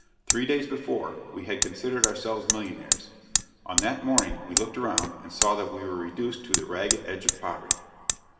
Three days before, we had considered ourselves millionaires; on that morning we looked around and saw that we were reduced to the ragged edge of poverty.